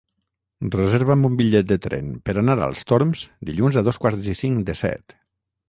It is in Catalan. Reserva'm un bitllet de tren per anar als Torms dilluns a dos quarts i cinc de set.